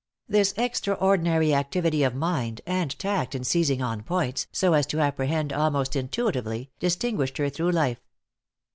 This extraordinary activity of mind, and tact in seizing on points, so as to apprehend almost intuitively, distinguished her through life.